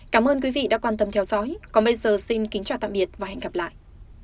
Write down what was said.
cảm ơn quý vị đã quan tâm theo dõi còn bây giờ xin kính chào tạm biệt và hẹn gặp lại